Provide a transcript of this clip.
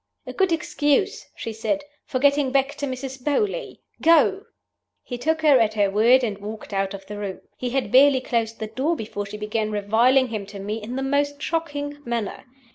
'A good excuse,' she said, 'for getting back to Mrs. Beauly. Go!' He took her at her word, and walked out of the room. He had barely closed the door before she began reviling him to me in the most shocking manner.